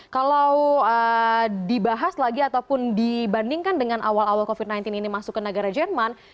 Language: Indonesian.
kalau dibahas lagi ataupun dibandingkan dengan awal awal covid sembilan belas ini masuk ke negara jerman